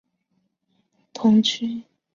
同区新世界发展大型住宅项目